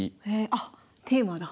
あっテーマだ。